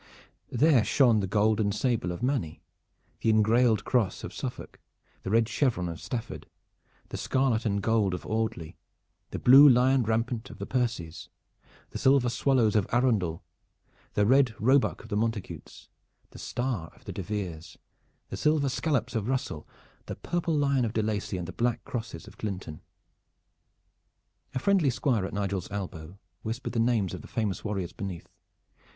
There shone the gold and sable of Manny, the engrailed cross of Suffolk, the red chevron of Stafford, the scarlet and gold of Audley, the blue lion rampant of the Percies, the silver swallows of Arundel, the red roebuck of the Montacutes, the star of the de Veres, the silver scallops of Russell, the purple lion of de Lacy, and the black crosses of Clinton. A friendly Squire at Nigel's elbow whispered the names of the famous warriors beneath.